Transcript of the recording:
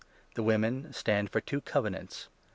The women stand for two Covenants.